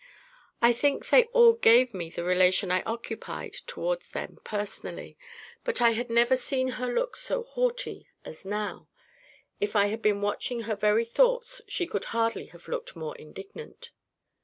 I think they all GAVE me the relation I occupied towards them personally.—But I had never seen her look so haughty as now. If I had been watching her very thoughts she could hardly have looked more indignant.